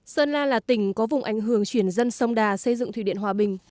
sơn la là tỉnh có vùng ảnh hưởng chuyển dân sông đà xây dựng thủy điện hòa bình